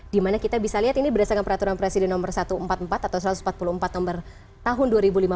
dimana kita bisa lihat ini berdasarkan peraturan presiden nomor satu ratus empat puluh empat atau satu ratus empat puluh empat nomor tahun dua ribu lima belas